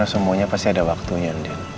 karena semuanya pasti ada waktunya